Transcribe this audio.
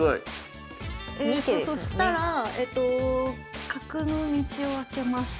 えとそしたら角の道を開けます。